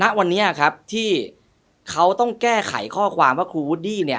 ณวันนี้ครับที่เขาต้องแก้ไขข้อความว่าครูวูดดี้เนี่ย